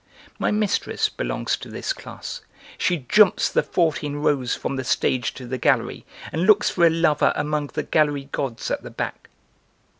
My mistress belongs to this class, she jumps the fourteen rows from the stage to the gallery and looks for a lover among the gallery gods at the back."